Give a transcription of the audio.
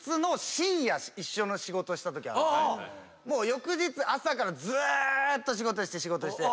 翌日朝からずーっと仕事して仕事して。